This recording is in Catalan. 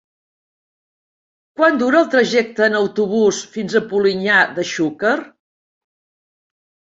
Quant dura el trajecte en autobús fins a Polinyà de Xúquer?